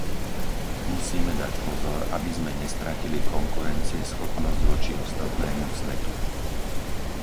Musíme dať pozor, aby sme nestratili konkurencieschopnosť voči ostatnému svetu.